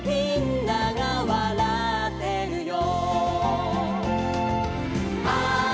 「みんながうたってるよ」